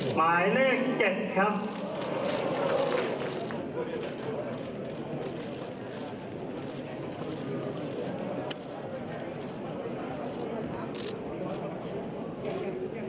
หมายเลข๗ครับ